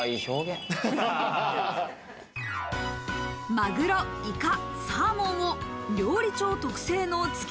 マグロ、イカ、サーモンを料理長特製のつけ